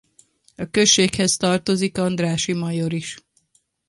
A községhez tartozik Andrássy-major is.